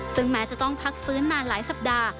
ซึ่งแม้จะต้องพักฟื้นนานหลายสัปดาห์